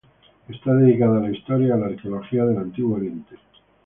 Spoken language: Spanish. Está dedicada a la historia y la arqueología del antiguo Oriente.